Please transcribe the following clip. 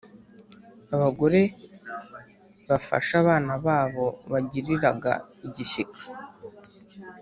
Abagore bafashe abana babo bagiriraga igishyika,